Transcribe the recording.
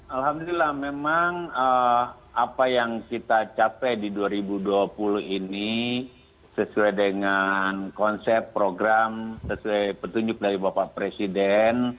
alhamdulillah memang apa yang kita capai di dua ribu dua puluh ini sesuai dengan konsep program sesuai petunjuk dari bapak presiden